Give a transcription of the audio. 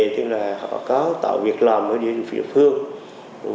tức là họ có tội việc lầm ở địa phương